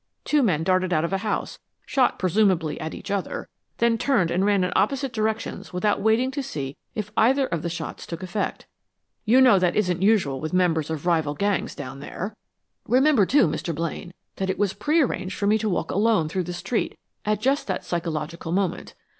Two men darted out of a house, shot presumably at each other, then turned and ran in opposite directions without waiting to see if either of the shots took effect. You know that isn't usual with the members of rival gangs down there. Remember, too, Mr. Blaine, that it was prearranged for me to walk alone through that street at just that psychological moment.